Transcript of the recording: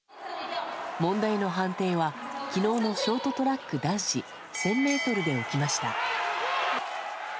問題の判定は、きのうのショートトラック男子１０００メートルで起きました。